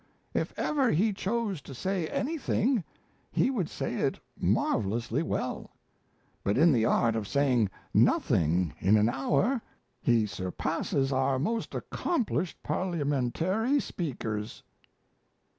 If ever he chose to say anything, he would say it marvellously well; but in the art of saying nothing in an hour, he surpasses our most accomplished parliamentary speakers."